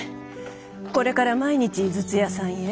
これから毎日井筒屋さんへ？